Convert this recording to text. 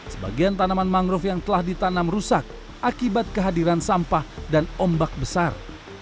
sebagian tanaman mangrove yang telah ditanam rusak akibat kehadiran sampah dan ombak besar